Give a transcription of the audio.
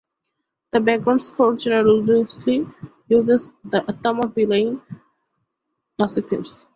The background score generously uses the ‘Uttama villain’ classic themes.